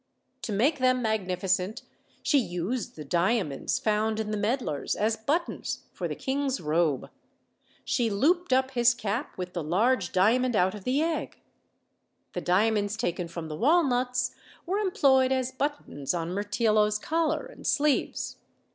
To make them magnificent, she used the diamonds found in the medlars as buttons for the king's robe; she looped up his 102 OLD, OLD FAIRY TALES. cap with the large diamond out of the egg. The dia monds taken from the walnuts were employed as buttons on Mirtillo's collar and sleeves.